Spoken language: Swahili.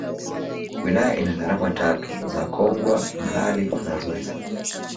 Wilaya ina Tarafa tatu za Kongwa Mlali na Zoissa